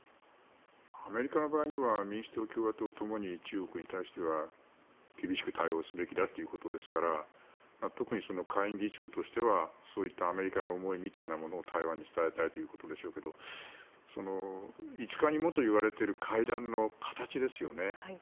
アメリカの場合民主党、共和党ともに中国に対しては厳しく対応すべきだということですから特に下院議長としてはそういったアメリカの思いみたいなものを台湾に伝えたいということでしょうけど５日にもといわれている会談の形ですよね。